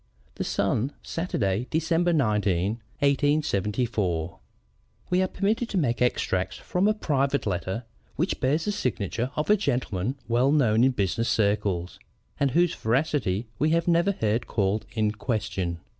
_ (The Sun, Saturday, December 19, 1874.) We are permitted to make extracts from a private letter which bears the signature of a gentleman well known in business circles, and whose veracity we have never heard called in question.